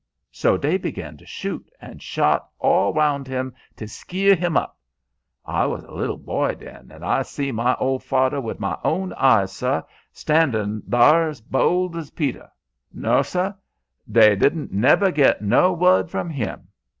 So dey begin to shoot, and shot all roun' 'm to skeer 'm up. I was a li'l boy den, an' I see my ol' fader wid my own eyes, suh, standin' thar's bold's Peter. No, suh, dey didn't neber git no word from him.